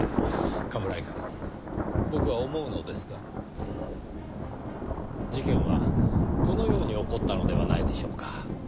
冠城くん僕は思うのですが事件はこのように起こったのではないでしょうか？